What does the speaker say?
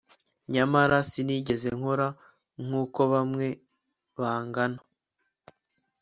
Nyamara sinigeze nkora nkuko bamwe bangana